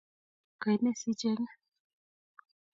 Kaine sichengee?